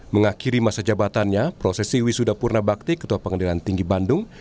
mengakhiri masa jabatannya prosesi wisuda purna bakti ketua pengendilan tinggi bandung